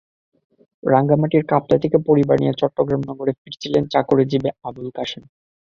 রাঙামাটির কাপ্তাই থেকে পরিবার নিয়ে চট্টগ্রাম নগরে ফিরছিলেন চাকরিজীবী আবুল কাশেম।